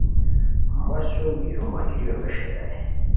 مہ سُم گیرو ملگیریو ویݰئیتائے